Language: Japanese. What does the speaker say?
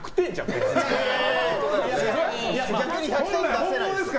いやいや逆に１００点出せないです。